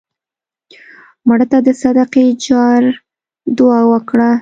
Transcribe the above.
مړه ته د صدقې جار دعا وکړه